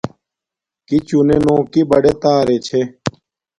کݵ چُنݺ نݸ کݵ بَڑݺ تݳرݺ چھݺ.